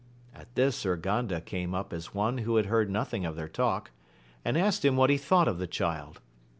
At this time Urganda came up as one who had heard nothing of their talk, and asked him what he thought of the Child.